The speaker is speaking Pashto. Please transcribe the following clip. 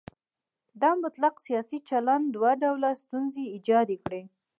دا مطلق سیاسي چلن دوه ډوله ستونزې ایجاد کړي.